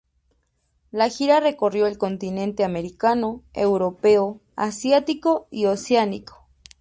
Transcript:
La gira recorrió el continente Americano, Europeo, Asiático y Oceánico.